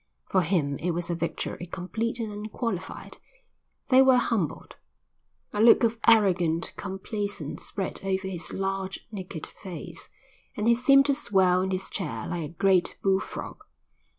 For him it was a victory complete and unqualified. They were humbled. A look of arrogant complacence spread over his large, naked face, and he seemed to swell in his chair like a great bullfrog.